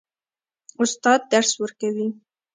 استاد درس ورکوي.